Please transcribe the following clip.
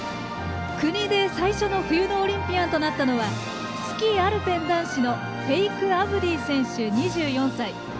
国で最初の冬のオリンピアンとなったのはスキー・アルペン男子のファイク・アブディ選手、２４歳。